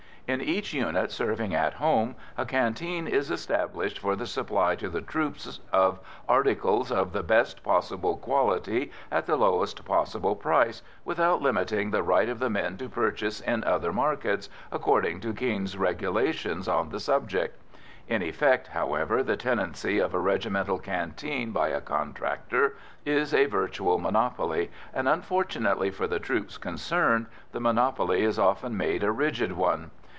In each unit serving at home, a canteen is established for the supply to the troops of articles of the best possible quality at the lowest possible price "without limiting the right of the men to purchase" in other markets, according to King's Regulations on the subject. In effect, however, the tenancy of a regimental canteen by a contractor is a virtual monopoly, and, unfortunately for the troops concerned, the monopoly is often made a rigid one.